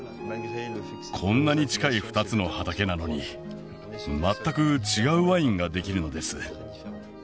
こんなに近い２つの畑なのに全く違うワインができるのです